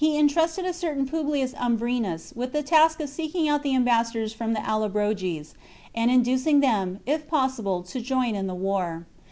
CHAP, he entrusted a certain Publius Umbrenus with the task of seeking out the ambassadors from the AUobroges, and inducing them, if possible, to join in the war.